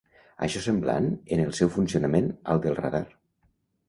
Això és semblant en el seu funcionament al del radar.